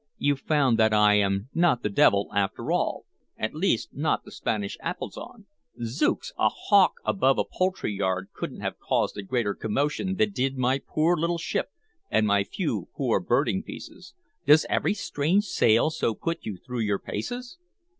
"You've found that I am not the devil, after all, at least not the Spanish Apollyon. Zooks! a hawk above a poultry yard could n't have caused a greater commotion than did my poor little ship and my few poor birding pieces! Does every strange sail so put you through your paces?"